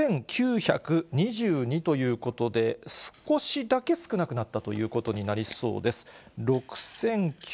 ６９２２ということで、少しだけ少なくなったということになりそうです。